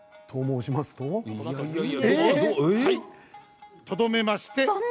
とどめまして。